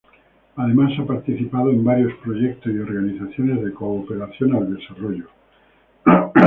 Además, ha participado en varios proyectos y organizaciones de Cooperación al Desarrollo.